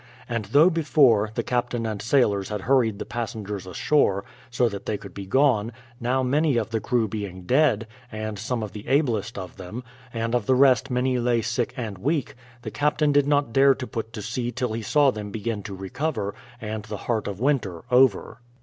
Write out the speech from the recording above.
And though before, the captain and sailors had hurried the passengers ashore, so that they could be gone; now many of the crew being dead, — and some of the ablest of them, — and of the rest many lay sick and weak, the cap tain did not dare put to sea till he saw them begin to recover, and the heart of winter over.